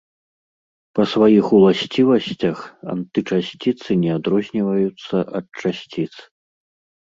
Па сваіх уласцівасцях антычасціцы не адрозніваюцца ад часціц.